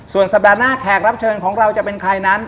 ส่วนสัปดาห์หน้าแขกรับเชิญของเราจะเป็นใครนั้น